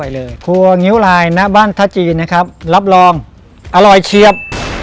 เลยครัวงิ้วลายณบ้านท่าจีนนะครับรับรองอร่อยเฉียบ